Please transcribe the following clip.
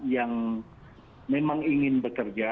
yang memang ingin bekerja